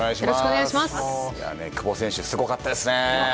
久保選手、すごかったですね。